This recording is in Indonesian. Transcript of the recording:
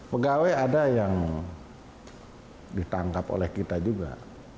pegawai ada yang ditangkap oleh kita juga